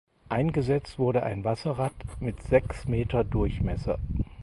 Eingesetzt wurde ein Wasserrad mit sechs Meter Durchmesser.